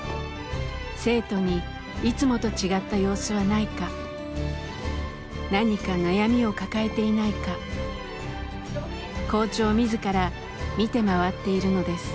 生徒にいつもと違った様子はないか何か悩みを抱えていないか校長自ら見て回っているのです。